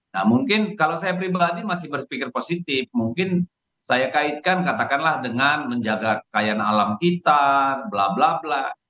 nah mungkin kalau saya pribadi masih berpikir positif mungkin saya kaitkan katakanlah dengan menjaga kekayaan alam kita bla bla bla